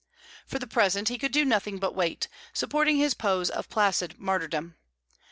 For the present he could do nothing but wait, supporting his pose of placid martyrdom.